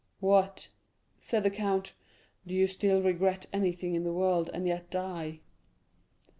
"What," said the count, "do you still regret anything in the world, and yet die?"